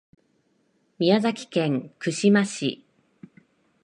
宮崎県串間市